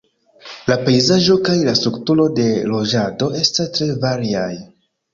La pejzaĝo kaj la strukturo de loĝado estas tre variaj.